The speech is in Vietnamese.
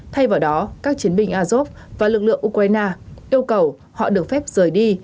thay vào đó các chiến binh azov và lực lượng ukraine yêu cầu họ được phép rời đi